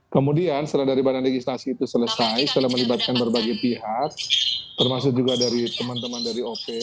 kemudian setelah dari badan legislasi itu selesai setelah melibatkan berbagai pihak termasuk juga dari teman teman dari op